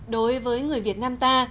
đối với người việt nam ta